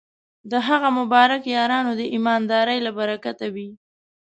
د هغه مبارک یارانو د ایماندارۍ له برکته وې.